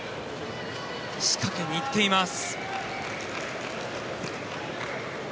仕掛けにいっています。